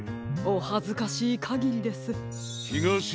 おはずかしいかぎりです。